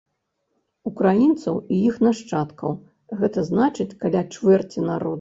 Украінцаў і іх нашчадкаў, гэта значыць каля чвэрці народа.